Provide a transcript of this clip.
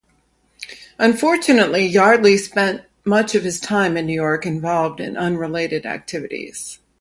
Unfortunately, Yardley spent much of his time in New York involved in unrelated activities.